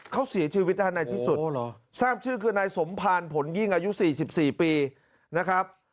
เขาเสียชีวิตในที่สุดทราบชื่อคือนายสมภารผลยิ่งอายุ๔๔ปีนะครับ